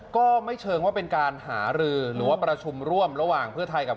ก็ไม่เชิงว่าเป็นการหารือหรือว่าประชุมร่วมระหว่างเพื่อไทยกับ